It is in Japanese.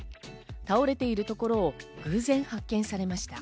倒れているところを偶然発見されました。